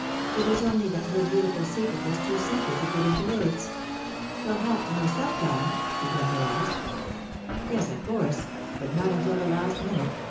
It was only that her beautiful secret was too sacred to put into words. "They'll have to know some time," she temporised. "Yes, of course, but not until the last minute.